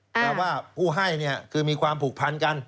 แต่ว่าผู้ให้คือมีความผูกพันกัน